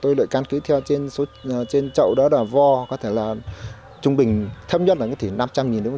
tôi đợi căn cứ theo trên trên trậu đó là vo có thể là trung bình thấp nhất là cái thì năm trăm linh đến một